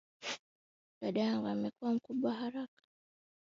Dada yangu amekuwa kwa haraka.